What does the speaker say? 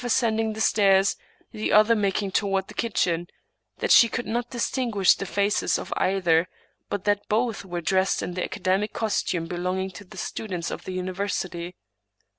ascending the stairs, the other making toward the kitchen ; that she could not distinguish the faces of either, but that J)oth were dressed in the academic costume belonging to the students of the university.